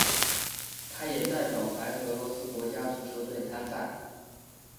他也代表白俄罗斯国家足球队参赛。